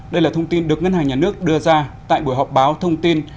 đây là thông tin được ngân hàng nhà nước đưa ra tại buổi họp báo thông tin